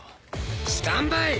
スタンバイ！